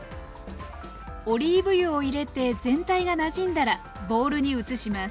オリーブ油を入れて全体がなじんだらボウルに移します。